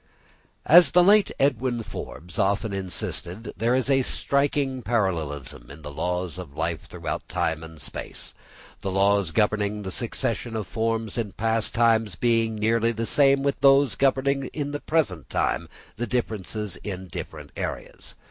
As the late Edward Forbes often insisted, there is a striking parallelism in the laws of life throughout time and space; the laws governing the succession of forms in past times being nearly the same with those governing at the present time the differences in different areas.